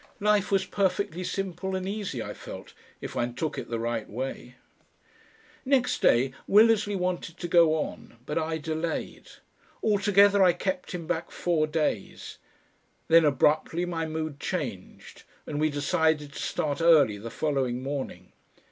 Life was perfectly simple and easy, I felt, if one took it the right way. Next day Willersley wanted to go on, but I delayed. Altogether I kept him back four days. Then abruptly my mood changed, and we decided to start early the following morning.